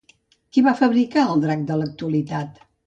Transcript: Qui va fabricar el drac de l'actualitat?